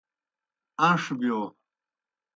اݩݜ بِیو۔